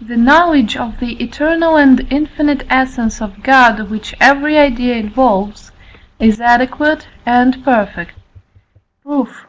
The knowledge of the eternal and infinite essence of God which every idea involves is adequate and perfect. Proof.